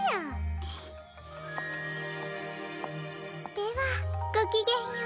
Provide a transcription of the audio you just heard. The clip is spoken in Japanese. ではごきげんよう。